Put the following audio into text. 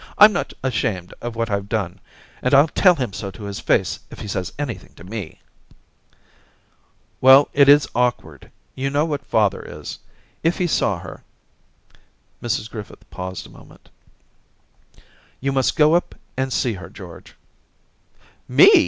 * I'm not ashamed of what I've done, and I'll tell him so to his face if he says anything to me/ 'Well, it is awkward. You know what father is ; if he saw her. '... Mrs Griffith paused a moment. * You must go up and see her, George !'' Me